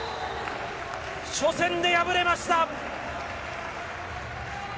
初戦で敗れました。